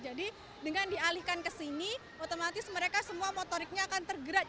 jadi dengan dialihkan kesini otomatis mereka semua motoriknya akan tergerak